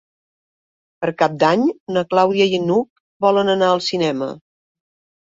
Per Cap d'Any na Clàudia i n'Hug volen anar al cinema.